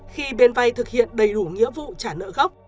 khi bên vay thực hiện đầy đủ nghĩa vụ trả nợ gốc